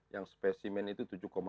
yang spesimen itu tujuh empat